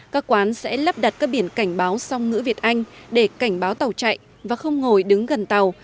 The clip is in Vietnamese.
các quán sẽ lắp đặt các biển cảnh báo song ngữ việt anh để cảnh báo tàu chạy và không ngồi đứng gần tàu